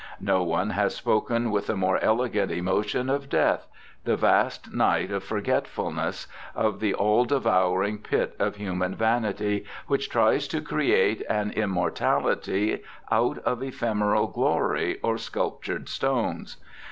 No one has spoken with a more elegant emotion of death, the vast night of forgetfulness, of the all devouring pit of human vanity which tries to create an immortality out of ephemeral glory or sculptured stones.